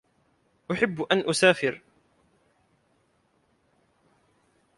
أُحِبُّ أَنْ أُسَافِرَ.